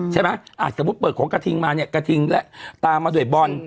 ใช่ไหมสมมุติเปิดของกระทิงมาเนี่ยกระทิงและตามมาด้วยบอล